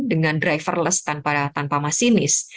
dengan driverless tanpa masinis